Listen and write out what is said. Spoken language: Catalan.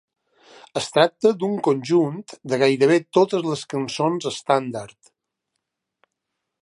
Es tracta d'un conjunt de gairebé totes les cançons estàndard.